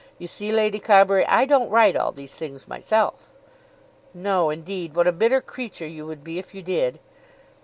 You see, Lady Carbury, I don't write all these things myself." "No indeed. What a bitter creature you would be if you did."